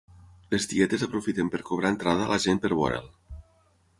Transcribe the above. Les tietes aprofiten per cobrar entrada a la gent per veure'l.